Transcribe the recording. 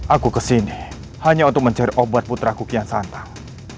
aku kesini hanya untuk mencari obat putraku kian santang